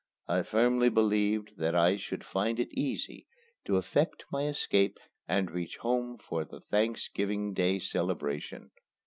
I firmly believed that I should find it easy to effect my escape and reach home for the Thanksgiving Day celebration.